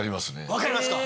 分かりますか？